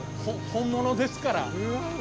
本物ですから。